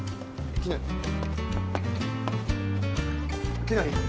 きなり。